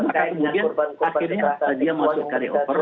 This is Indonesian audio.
maka kemudian akhirnya dia masuk carryover